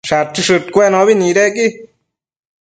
Shachëshëdcuenobi nidequi